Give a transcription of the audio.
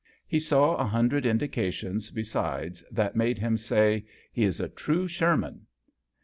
He saw a hundred indications besides that made him say, " He is a true Sherman.